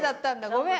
ごめん。